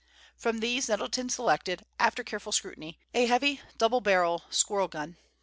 From these Nettleton selected, after careful scrutiny, a heavy double barrel squirrel gun.